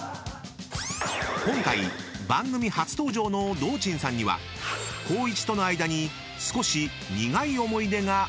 ［今回番組初登場の堂珍さんには光一との間に少し苦い思い出があるんだとか］